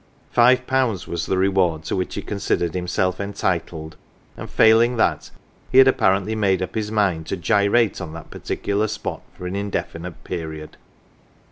Five pounds was the reward to which he considered himself entitled, and failing that he had apparently made up his mind to gyrate on that particular spot for an indefinite period.